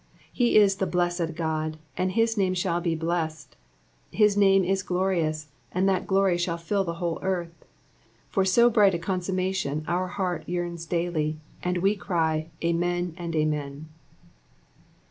He is the Blej scd God, and his name shall be blessed ; his name is ghuious, and that glory shall fill the whole earth. For so bright a consummation our heart yearns daily, and we cry "' Amen.and Amen.''